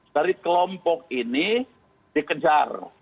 dari kelompok ini dikejar